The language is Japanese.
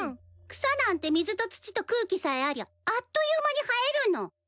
草なんて水と土と空気さえありゃあっという間に生えるの。